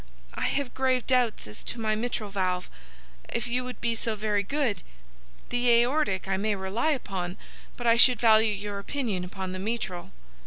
I have grave doubts as to my mitral valve, if you would be so very good. The aortic I may rely upon, but I should value your opinion upon the mitral."